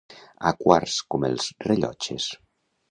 A quarts, com els rellotges.